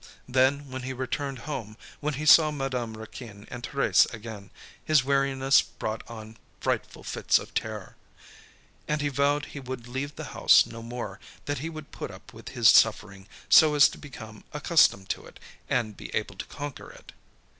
Then, when he returned home, when he saw Madame Raquin and Thérèse again, his weariness brought on frightful fits of terror. And he vowed he would leave the house no more, that he would put up with his suffering, so as to become accustomed to it, and be able to conquer it.